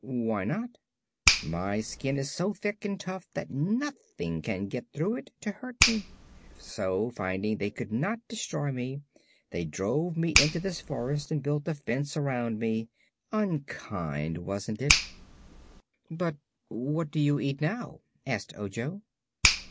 "Why not?" "My skin is so thick and tough that nothing can get through it to hurt me. So, finding they could not destroy me, they drove me into this forest and built a fence around me. Unkind, wasn't it?" "But what do you eat now?" asked Ojo.